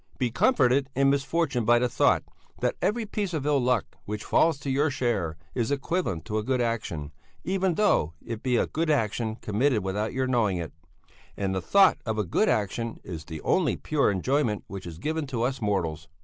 Be comforted in misfortune by the thought that every piece of ill luck which falls to your share is equivalent to a good action, even though it be a good action committed without your knowing it; and the thought of a good action is the only pure enjoyment which is given to us mortals."